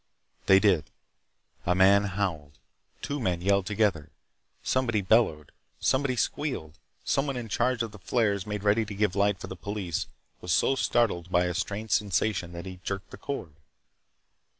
They did. A man howled. Two men yelled together. Somebody bellowed. Somebody squealed. Someone, in charge of the flares made ready to give light for the police, was so startled by a strange sensation that he jerked the cord.